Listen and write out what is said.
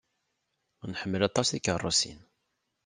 Nḥemmel aṭas tikeṛṛusin.